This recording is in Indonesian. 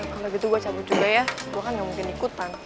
kalau gitu gue cabut juga ya gue kan gak mungkin ikutan